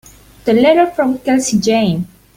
The letter from Kelsey Jane.